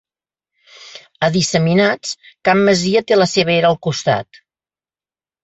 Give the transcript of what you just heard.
A disseminats, cap masia té la seva era al costat.